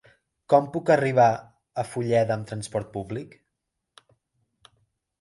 Com puc arribar a Fulleda amb trasport públic?